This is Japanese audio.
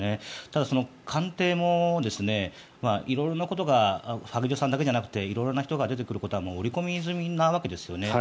ただ、官邸も色々なことが萩生田さんだけじゃなくて色々な人が出てくることは織り込み済みなわけですよね。